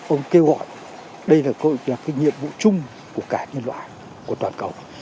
ông kêu gọi đây là công việc nhiệm vụ chung của cả nhân loại của toàn cầu